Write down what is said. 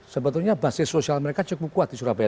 sebetulnya basis sosial mereka cukup kuat di surabaya